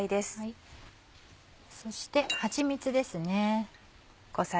そしてはちみつですね。